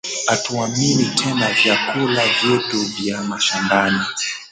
Hatuamini tena vyakula vyetu vya mashambani